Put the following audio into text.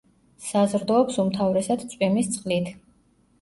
საზრდოობს უმთავრესად წვიმის წყლით.